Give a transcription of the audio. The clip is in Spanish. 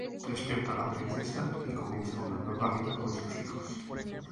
Despierta la princesa y comienza una nueva vida con sus hijos.